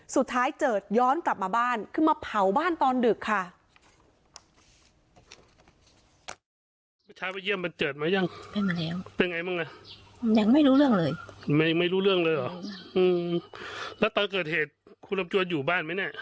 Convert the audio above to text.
ถ้าเกิดเจิดย้อนกลับมาบ้านคือมาเผาบ้านตอนดึกค่ะ